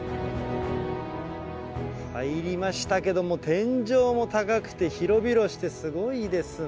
入りましたけども天井も高くて広々してすごいですね。